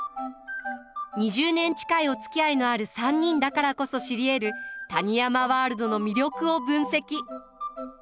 ２０年近いおつきあいのある３人だからこそ知りえる谷山ワールドの魅力を分析！